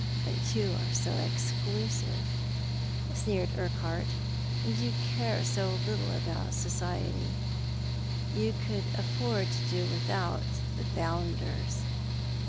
" But you are so exclusive," sneered Urquhart, " and you care so little about society. You could afford to do without the boundtrs."